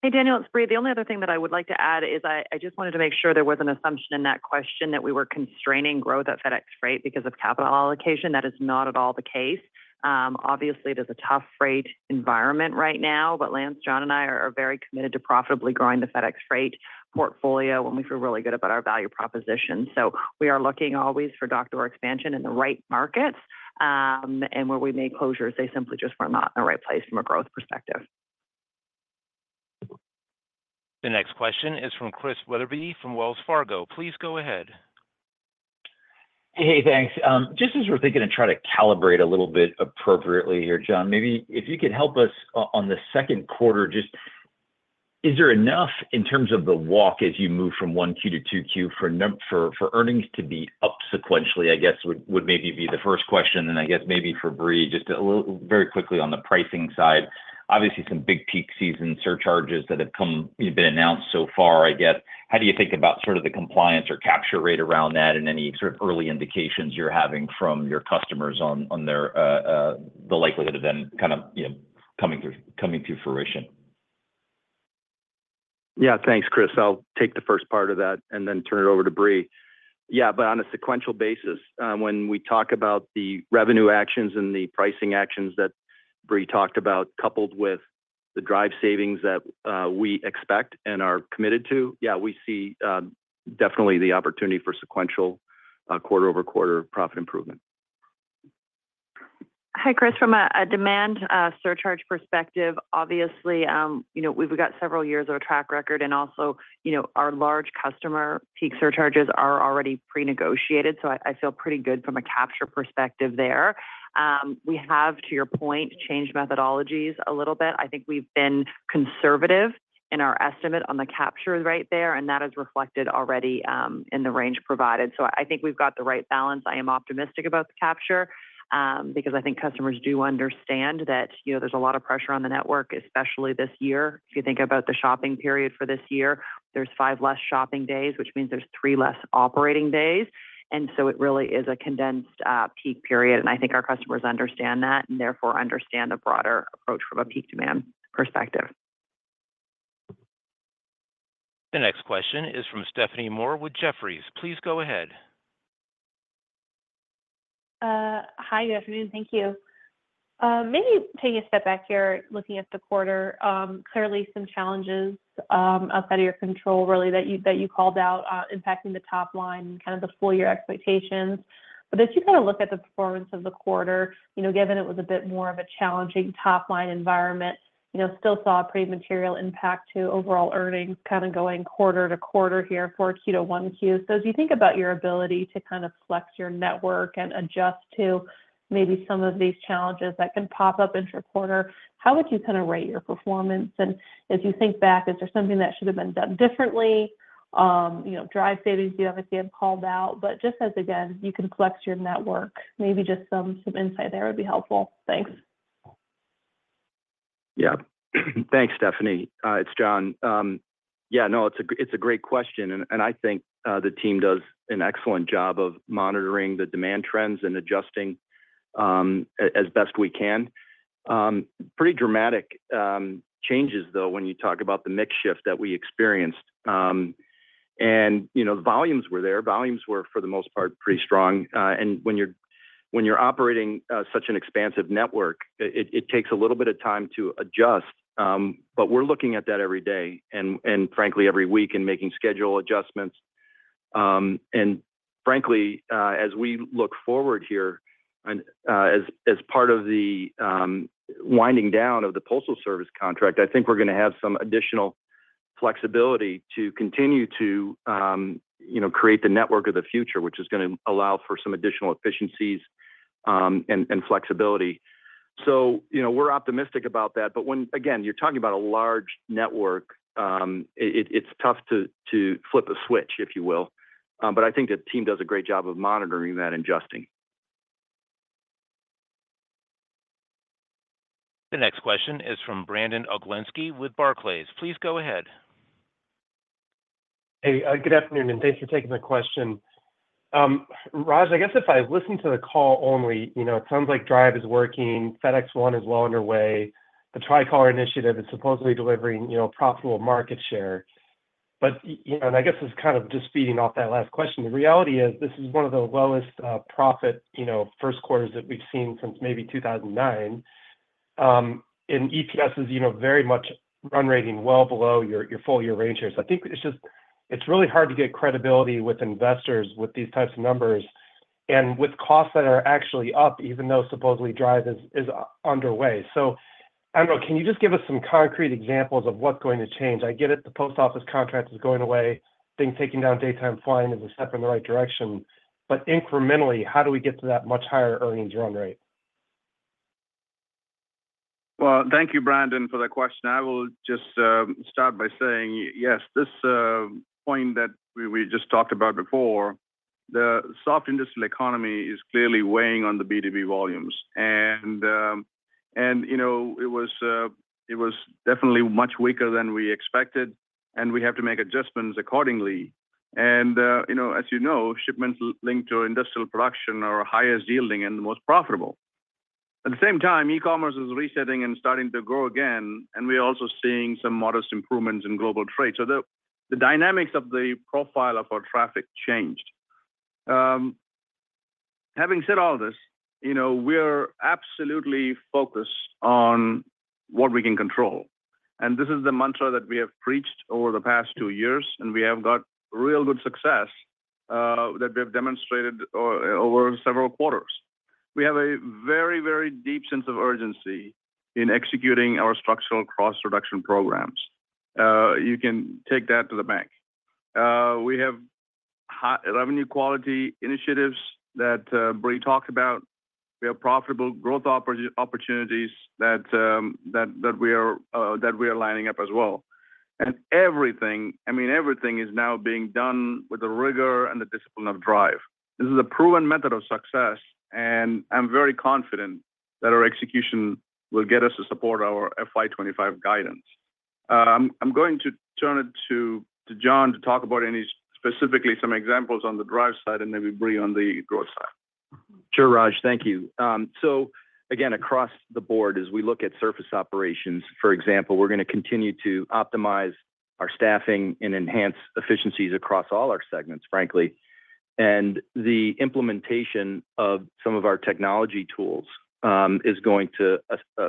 Hey, Daniel, it's Brie. The only other thing that I would like to add is, I just wanted to make sure there was an assumption in that question that we were constraining growth at FedEx Freight because of capital allocation. That is not at all the case. Obviously, it is a tough freight environment right now, but Lance, John, and I are very committed to profitably growing the FedEx Freight portfolio, and we feel really good about our value proposition. So we are looking always for door-to-door expansion in the right markets, and where we make closures, they simply just were not in the right place from a growth perspective. The next question is from Chris Wetherbee, from Wells Fargo. Please go ahead. Hey, thanks. Just as we're thinking and try to calibrate a little bit appropriately here, John, maybe if you could help us on the second quarter, just. Is there enough in terms of the walk as you move from 1Q to 2Q for earnings to be up sequentially? I guess would maybe be the first question, and I guess maybe for Bree, just a little very quickly on the pricing side. Obviously, some big peak season surcharges that have been announced so far, I get. How do you think about sort of the compliance or capture rate around that and any sort of early indications you're having from your customers on their the likelihood of them kind of, you know, coming to fruition? Yeah, thanks, Chris. I'll take the first part of that and then turn it over to Brie. Yeah, but on a sequential basis, when we talk about the revenue actions and the pricing actions that Bree talked about, coupled with the drive savings that we expect and are committed to, yeah, we see definitely the opportunity for sequential quarter over quarter profit improvement. Hi, Chris. From a demand surcharge perspective, obviously, you know, we've got several years of a track record, and also, you know, our large customer peak surcharges are already pre-negotiated, so I feel pretty good from a capture perspective there. We have, to your point, changed methodologies a little bit. I think we've been conservative in our estimate on the capture right there, and that is reflected already in the range provided. So I think we've got the right balance. I am optimistic about the capture because I think customers do understand that, you know, there's a lot of pressure on the network, especially this year. If you think about the shopping period for this year, there's five less shopping days, which means there's three less operating days, and so it really is a condensed, peak period, and I think our customers understand that, and therefore understand the broader approach from a peak demand perspective. The next question is from Stephanie Moore with Jefferies. Please go ahead. Hi, good afternoon. Thank you. Maybe taking a step back here, looking at the quarter, clearly some challenges outside of your control, really, that you called out, impacting the top line and kind of the full-year expectations. But as you kind of look at the performance of the quarter, you know, given it was a bit more of a challenging top-line environment, you know, still saw a pretty material impact to overall earnings kind of going quarter to quarter here for Q2 to 1Q. So as you think about your ability to kind of flex your network and adjust to maybe some of these challenges that can pop up intra quarter, how would you kind of rate your performance? And as you think back, is there something that should have been done differently? You know, drive savings, you obviously have called out, but just as, again, you can flex your network, maybe just some insight there would be helpful. Thanks. Yeah. Thanks, Stephanie. It's John. Yeah, no, it's a great question, and I think the team does an excellent job of monitoring the demand trends and adjusting as best we can. Pretty dramatic changes, though, when you talk about the mix shift that we experienced. And, you know, the volumes were there. Volumes were, for the most part, pretty strong. And when you're operating such an expansive network, it takes a little bit of time to adjust, but we're looking at that every day, and frankly, every week, and making schedule adjustments. And frankly, as we look forward here, as part of the winding down of the Postal Service contract, I think we're gonna have some additional- flexibility to continue to, you know, create the network of the future, which is gonna allow for some additional efficiencies, and flexibility. So, you know, we're optimistic about that, but when, again, you're talking about a large network, it's tough to flip a switch, if you will. But I think the team does a great job of monitoring that and adjusting. The next question is from Brandon Oglenski with Barclays. Please go ahead. Hey, good afternoon, and thanks for taking the question. Raj, I guess if I listen to the call only, you know, it sounds like DRIVE is working, FedEx One is well underway. The Tricolor initiative is supposedly delivering, you know, profitable market share. But, you know, and I guess it's kind of just feeding off that last question. The reality is, this is one of the lowest profit, you know, first quarters that we've seen since maybe 2009. And EPS is, you know, very much run rating well below your full year range here. So I think it's just, it's really hard to get credibility with investors with these types of numbers and with costs that are actually up, even though supposedly DRIVE is underway. So I don't know, can you just give us some concrete examples of what's going to change? I get it, the post office contract is going away. I think taking down daytime flying is a step in the right direction. But incrementally, how do we get to that much higher earnings run rate? Thank you, Brandon, for that question. I will just start by saying, yes, this point that we just talked about before, the soft industrial economy is clearly weighing on the B2B volumes. And, you know, it was definitely much weaker than we expected, and we have to make adjustments accordingly. And, you know, as you know, shipments linked to industrial production are highest yielding and the most profitable. At the same time, e-commerce is resetting and starting to grow again, and we are also seeing some modest improvements in global trade. So the dynamics of the profile of our traffic changed. Having said all this, you know, we're absolutely focused on what we can control, and this is the mantra that we have preached over the past two years, and we have got real good success that we have demonstrated over several quarters. We have a very, very deep sense of urgency in executing our structural cost reduction programs. You can take that to the bank. We have high revenue quality initiatives that Brie talked about. We have profitable growth opportunities that we are lining up as well, and everything, I mean, everything is now being done with the rigor and the discipline of DRIVE. This is a proven method of success, and I'm very confident that our execution will get us to support our FY 2025 guidance. I'm going to turn it to John to talk about any, specifically some examples on the DRIVE side, and then Brie on the growth side. Sure, Raj. Thank you. So again, across the board, as we look at surface operations, for example, we're gonna continue to optimize our staffing and enhance efficiencies across all our segments, frankly. And the implementation of some of our technology tools is going to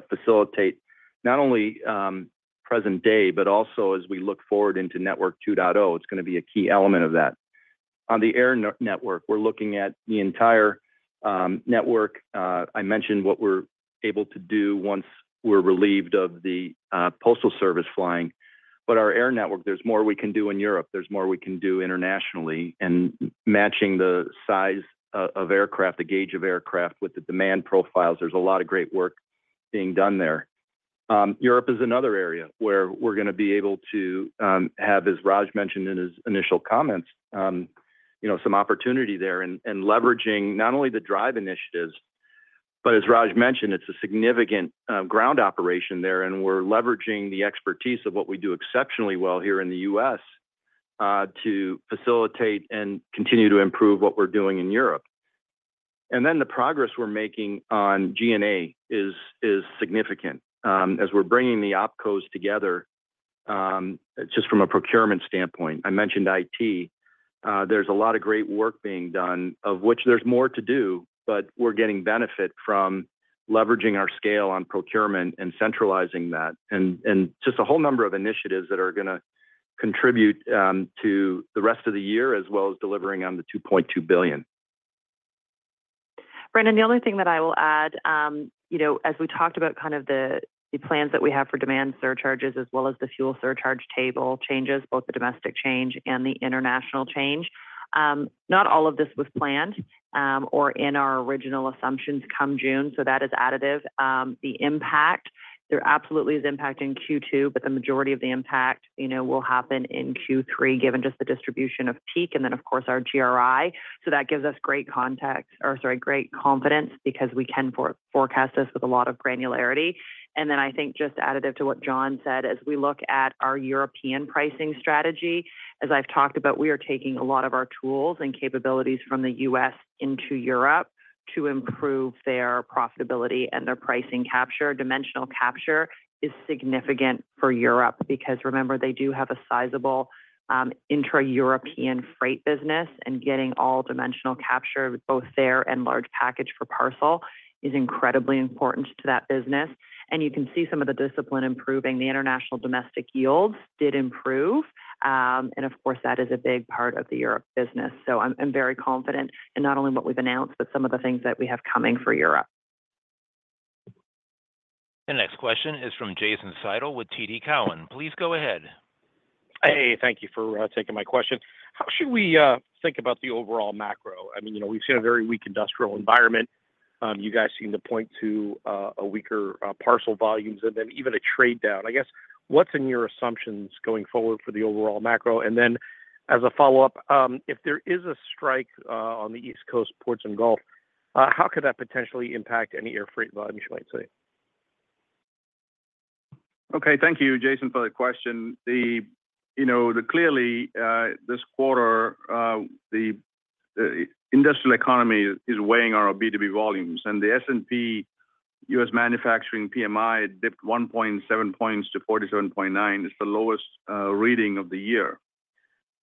facilitate not only present day, but also as we look forward into Network 2.0, it's gonna be a key element of that. On the air network, we're looking at the entire network. I mentioned what we're able to do once we're relieved of the postal service flying. But our air network, there's more we can do in Europe. There's more we can do internationally, and matching the size of aircraft, the gauge of aircraft, with the demand profiles. There's a lot of great work being done there. Europe is another area where we're gonna be able to have, as Raj mentioned in his initial comments, you know, some opportunity there and leveraging not only the DRIVE initiatives, but as Raj mentioned, it's a significant ground operation there, and we're leveraging the expertise of what we do exceptionally well here in the U.S. to facilitate and continue to improve what we're doing in Europe. And then the progress we're making on G&A is significant as we're bringing the OpCos together just from a procurement standpoint. I mentioned IT. There's a lot of great work being done, of which there's more to do, but we're getting benefit from leveraging our scale on procurement and centralizing that, and just a whole number of initiatives that are gonna contribute to the rest of the year, as well as delivering on the $2.2 billion. Brandon, the only thing that I will add, you know, as we talked about kind of the plans that we have for demand surcharges as well as the fuel surcharge table changes, both the domestic change and the international change, not all of this was planned or in our original assumptions come June, so that is additive. The impact, there absolutely is impact in Q2, but the majority of the impact, you know, will happen in Q3, given just the distribution of peak and then, of course, our GRI. So that gives us great context, or sorry, great confidence because we can forecast this with a lot of granularity. And then I think just additive to what John said, as we look at our European pricing strategy, as I've talked about, we are taking a lot of our tools and capabilities from the U.S. into Europe to improve their profitability and their pricing capture. Dimensional capture is significant for Europe because remember, they do have a sizable intra-European freight business, and getting all-dimensional capture, both there and large package for parcel, is incredibly important to that business. And you can see some of the discipline improving. The international domestic yields did improve, and of course, that is a big part of the Europe business. So I'm very confident in not only what we've announced, but some of the things that we have coming for Europe. The next question is from Jason Seidl with TD Cowen. Please go ahead. Hey, thank you for taking my question. How should we think about the overall macro? I mean, you know, we've seen a very weak industrial environment. You guys seem to point to a weaker parcel volumes and then even a trade down. I guess, what's in your assumptions going forward for the overall macro? And then as a follow-up, if there is a strike on the East Coast ports and Gulf, how could that potentially impact any air freight volume, you might say? Okay, thank you, Jason, for the question. You know, clearly, this quarter, the industrial economy is weighing on our B2B volumes, and the S&P U.S. manufacturing PMI dipped 1.7 points to 47.9. It's the lowest reading of the year.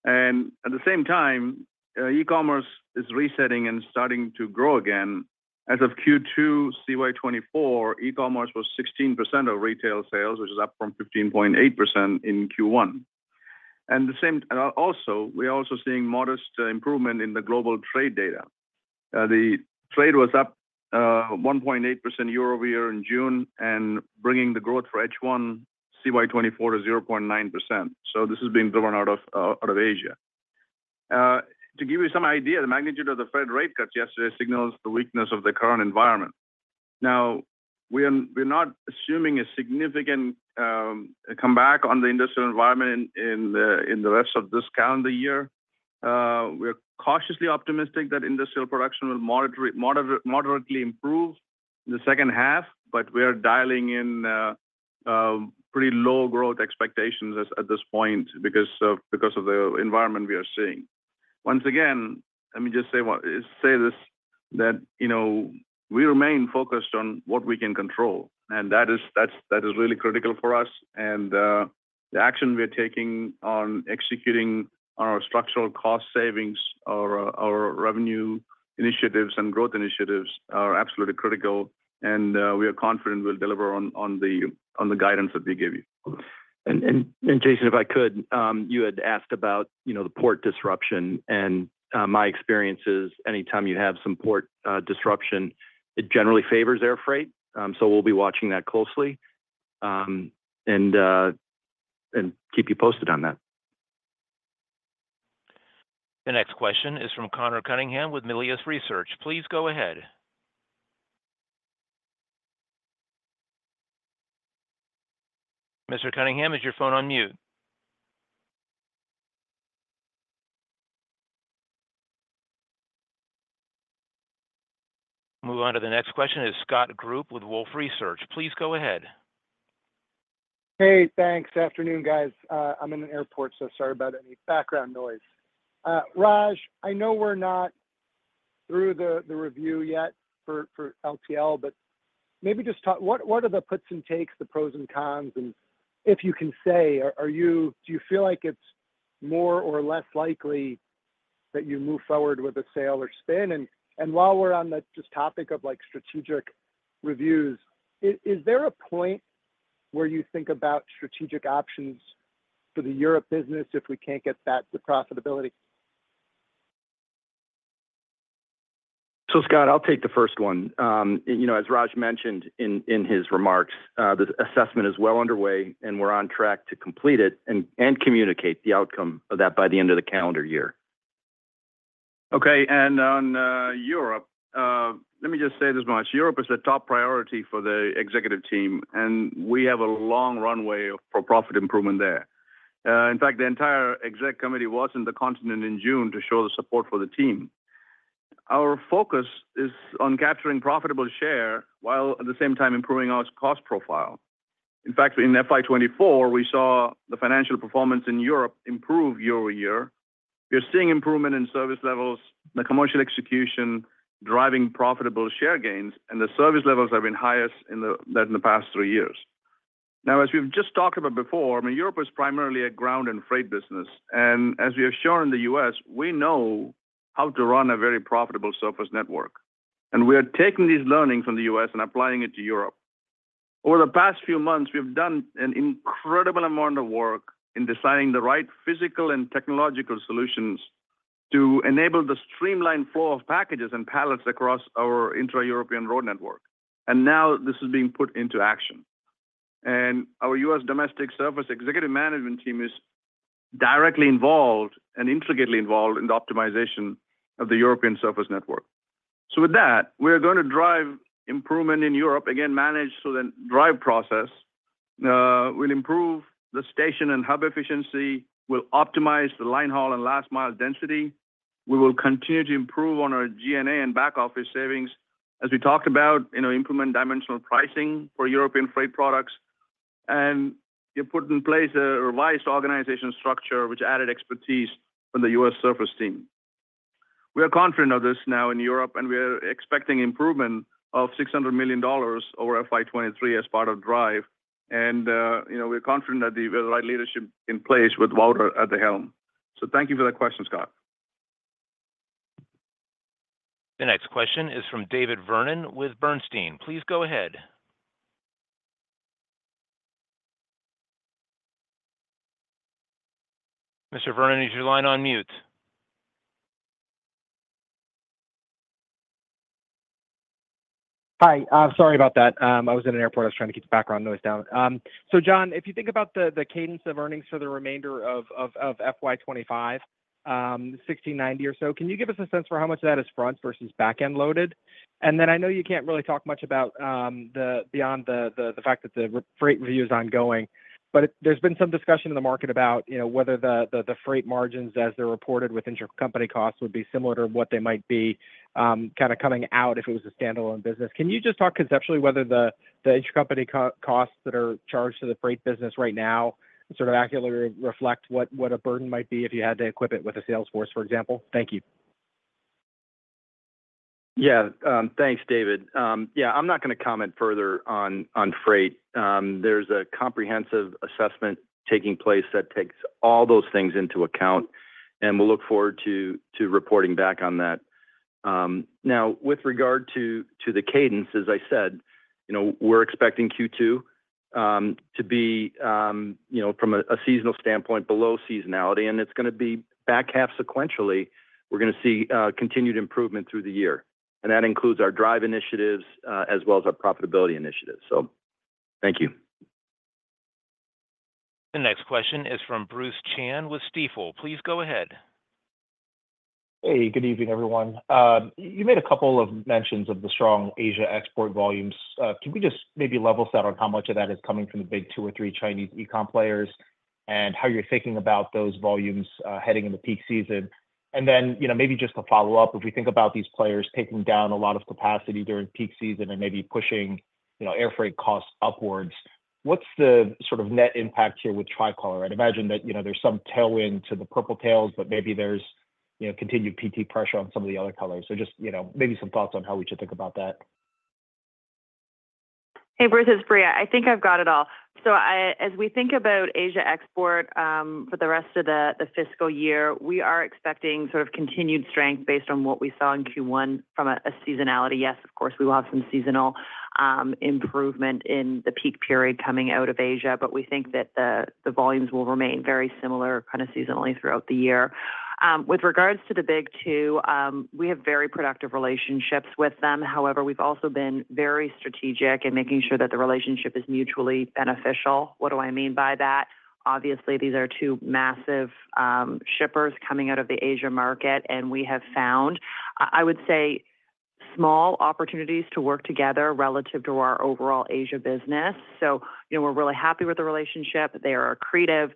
And at the same time, e-commerce is resetting and starting to grow again. As of Q2, CY 2024, e-commerce was 16% of retail sales, which is up from 15.8% in Q1. And also, we're also seeing modest improvement in the global trade data. The trade was up 1.8% year over year in June and bringing the growth for H1, CY 2024 to 0.9%. So this is being driven out of Asia. To give you some idea, the magnitude of the Fed rate cuts yesterday signals the weakness of the current environment. Now, we're not assuming a significant comeback on the industrial environment in the rest of this calendar year. We're cautiously optimistic that industrial production will moderately improve in the second half, but we are dialing in pretty low growth expectations at this point because of the environment we are seeing. Once again, let me just say this, that, you know, we remain focused on what we can control, and that is really critical for us. The action we are taking on executing on our structural cost savings, our revenue initiatives and growth initiatives are absolutely critical, and we are confident we'll deliver on the guidance that we gave you. Jason, if I could, you had asked about, you know, the port disruption. My experience is anytime you have some port disruption, it generally favors air freight. So we'll be watching that closely, and keep you posted on that. The next question is from Conor Cunningham with Melius Research. Please go ahead. Mr. Cunningham, is your phone on mute? Move on to the next question. Is Scott Group with Wolfe Research? Please go ahead. Hey, thanks. Afternoon, guys. I'm in an airport, so sorry about any background noise. Raj, I know we're not through the review yet for LTL, but maybe just talk, what are the puts and takes, the pros and cons? And if you can say, do you feel like it's more or less likely that you move forward with a sale or spin? And while we're on the just topic of, like, strategic reviews, is there a point where you think about strategic options for the Europe business if we can't get that to profitability? So, Scott, I'll take the first one. You know, as Raj mentioned in his remarks, the assessment is well underway, and we're on track to complete it and communicate the outcome of that by the end of the calendar year. Okay, and on Europe, let me just say this much: Europe is a top priority for the executive team, and we have a long runway for profit improvement there. In fact, the entire exec committee was in the continent in June to show the support for the team. Our focus is on capturing profitable share, while at the same time improving our cost profile. In fact, in FY 2024, we saw the financial performance in Europe improve year-over-year. We're seeing improvement in service levels, the commercial execution, driving profitable share gains, and the service levels have been highest in the, than in the past three years. Now, as we've just talked about before, I mean, Europe is primarily a Ground and Freight business, and as we have shown in the U.S., we know how to run a very profitable surface network. We are taking these learnings from the U.S. and applying it to Europe. Over the past few months, we've done an incredible amount of work in designing the right physical and technological solutions to enable the streamlined flow of packages and pallets across our intra-European road network. Now this is being put into action. Our U.S. domestic surface executive management team is directly involved and intricately involved in the optimization of the European surface network. With that, we are gonna drive improvement in Europe. Again, manage so then DRIVE process will improve the station and hub efficiency. We'll optimize the linehaul and last mile density. We will continue to improve on our G&A and back-office savings, as we talked about, you know, implement dimensional pricing for European freight products, and we put in place a revised organizational structure which added expertise from the U.S. surface team. We are confident of this now in Europe, and we are expecting improvement of $600 million over FY 2023 as part of DRIVE. And you know, we're confident that we have the right leadership in place with Wouter at the helm. So thank you for that question, Scott. The next question is from David Vernon with Bernstein. Please go ahead. Mr. Vernon, is your line on mute? Hi, sorry about that. I was in an airport. I was trying to keep the background noise down. So John, if you think about the cadence of earnings for the remainder of FY 2025, 1,690 or so, can you give us a sense for how much of that is front versus back-end loaded? And then I know you can't really talk much about beyond the fact that the freight review is ongoing, but there's been some discussion in the market about, you know, whether the freight margins as they're reported with intercompany costs would be similar to what they might be, kind of coming out if it was a standalone business. Can you just talk conceptually whether the intercompany costs that are charged to the freight business right now sort of accurately reflect what a burden might be if you had to equip it with a sales force, for example? Thank you. Yeah. Thanks, David. Yeah, I'm not gonna comment further on freight. There's a comprehensive assessment taking place that takes all those things into account, and we'll look forward to reporting back on that. Now, with regard to the cadence, as I said, you know, we're expecting Q2 to be, you know, from a seasonal standpoint, below seasonality, and it's gonna be back half sequentially. We're gonna see continued improvement through the year, and that includes our DRIVE initiatives as well as our profitability initiatives. So thank you. The next question is from Bruce Chan with Stifel. Please go ahead. Hey, good evening, everyone. You made a couple of mentions of the strong Asia export volumes. Can we just maybe level set on how much of that is coming from the big two or three Chinese e-comm players, and how you're thinking about those volumes, heading in the peak season? And then, you know, maybe just to follow up, if we think about these players taking down a lot of capacity during peak season and maybe pushing, you know, air freight costs upwards, what's the sort of net impact here with Tricolor? I'd imagine that, you know, there's some tailwind to the purple tails, but maybe there's, you know, continued PT pressure on some of the other colors. So just, you know, maybe some thoughts on how we should think about that. Hey, Bruce, it's Brie. I think I've got it all. So, as we think about Asia export for the rest of the fiscal year, we are expecting sort of continued strength based on what we saw in Q1 from a seasonality. Yes, of course, we will have some seasonal improvement in the peak period coming out of Asia, but we think that the volumes will remain very similar, kind of seasonally throughout the year. With regards to the big two, we have very productive relationships with them. However, we've also been very strategic in making sure that the relationship is mutually beneficial. What do I mean by that? Obviously, these are two massive shippers coming out of the Asia market, and we have found I would say small opportunities to work together relative to our overall Asia business. So, you know, we're really happy with the relationship. They are accretive,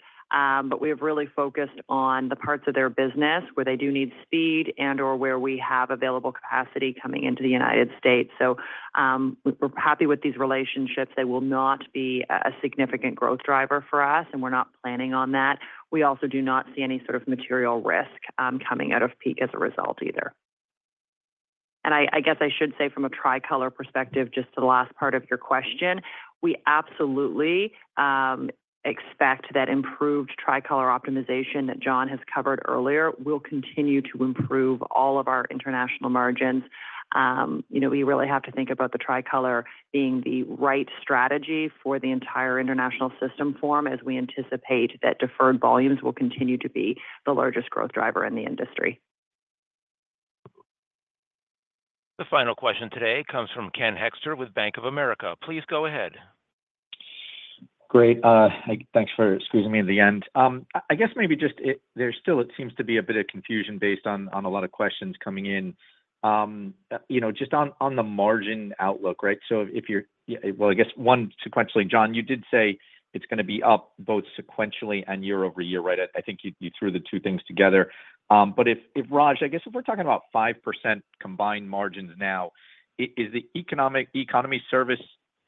but we have really focused on the parts of their business where they do need speed and/or where we have available capacity coming into the United States. So, we're happy with these relationships. They will not be a significant growth driver for us, and we're not planning on that. We also do not see any sort of material risk coming out of peak as a result either. And I guess I should say from a Tricolor perspective, just to the last part of your question, we absolutely expect that improved Tricolor optimization that John has covered earlier will continue to improve all of our international margins. You know, we really have to think about the Tricolor being the right strategy for the entire international system form, as we anticipate that deferred volumes will continue to be the largest growth driver in the industry. The final question today comes from Ken Hoexter with Bank of America. Please go ahead. Great. Thanks for squeezing me in the end. I guess maybe just there's still, it seems to be a bit of confusion based on a lot of questions coming in. You know, just on the margin outlook, right? So yeah, well, I guess one, sequentially, John, you did say it's gonna be up both sequentially and year over year, right? I think you threw the two things together. But if Raj, I guess if we're talking about 5% combined margins now, is the economy service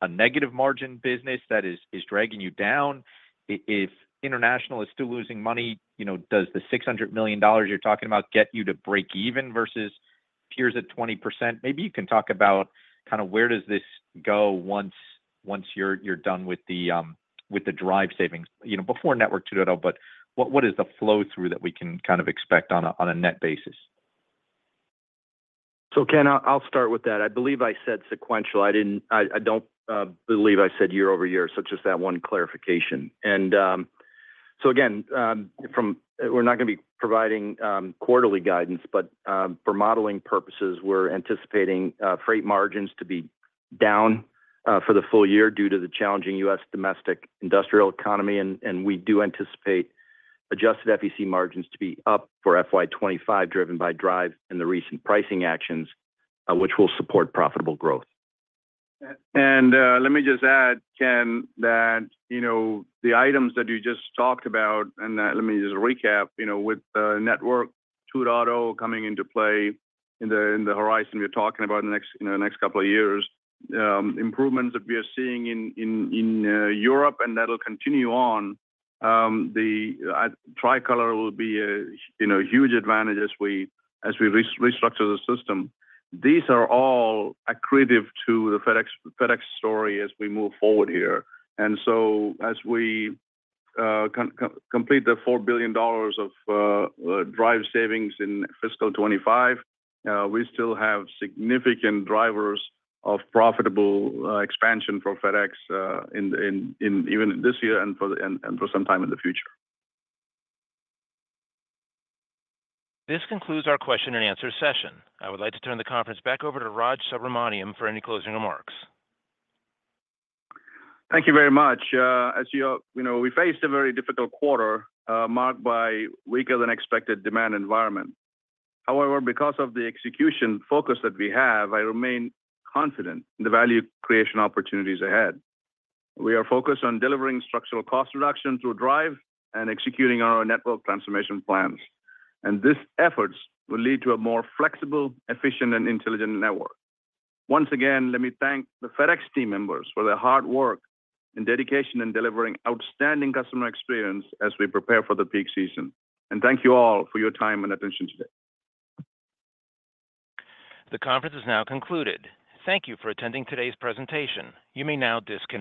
a negative margin business that is dragging you down? If international is still losing money, you know, does the $600 million you're talking about get you to breakeven versus peers at 20%? Maybe you can talk about kind of where does this go once you're done with the DRIVE savings, you know, before Network 2.0, but what is the flow-through that we can kind of expect on a net basis? Ken, I'll start with that. I believe I said sequential. I didn't. I don't believe I said year over year, so just that one clarification. So again, we're not gonna be providing quarterly guidance, but for modeling purposes, we're anticipating freight margins to be down for the full year due to the challenging U.S. domestic industrial economy. We do anticipate adjusted FedEx margins to be up for FY 2025, driven by DRIVE and the recent pricing actions, which will support profitable growth. Let me just add, Ken, that, you know, the items that you just talked about, and let me just recap. You know, with Network 2.0 coming into play in the horizon, we're talking about in the next couple of years, improvements that we are seeing in Europe, and that'll continue on. The Tricolor will be a, you know, huge advantage as we restructure the system. These are all accretive to the FedEx story as we move forward here. So as we complete the $4 billion of DRIVE savings in fiscal 2025, we still have significant drivers of profitable expansion for FedEx in even this year and for some time in the future. This concludes our question and answer session. I would like to turn the conference back over to Raj Subramaniam for any closing remarks. Thank you very much. As you know, we faced a very difficult quarter, marked by weaker-than-expected demand environment. However, because of the execution focus that we have, I remain confident in the value creation opportunities ahead. We are focused on delivering structural cost reduction through DRIVE and executing our network transformation plans, and these efforts will lead to a more flexible, efficient, and intelligent network. Once again, let me thank the FedEx team members for their hard work and dedication in delivering outstanding customer experience as we prepare for the peak season, and thank you all for your time and attention today. The conference is now concluded. Thank you for attending today's presentation. You may now disconnect.